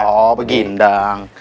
oh begini dong